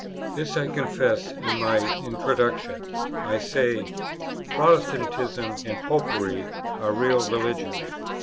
This I confess in my Introduction; I say, "Protestantism and Popery are real religions